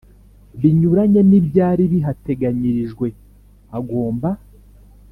Binyuranye n ibyari bihateganyirijwe agomba